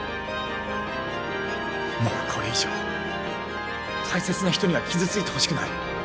もうこれ以上大切な人には傷ついてほしくない。